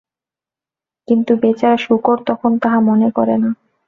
কিন্তু বেচারা শূকর তখন তাহা মনে করে না।